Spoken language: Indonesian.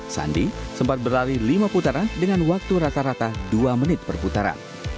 sandi sempat berlari lima putaran dengan waktu rata rata dua menit perputaran